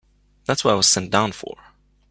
That's what I was sent down for.